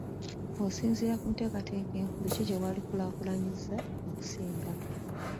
Ng'osinziira ku nteekateeka enkulu, ki kye wandikulaakulanyizza okusooka?